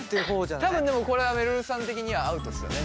多分でもこれはめるるさん的にはアウトですよね？